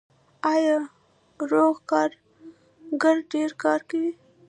آیا روغ کارګر ډیر کار کوي؟